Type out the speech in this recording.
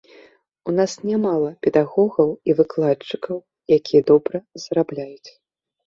У нас нямала педагогаў і выкладчыкаў, якія добра зарабляюць.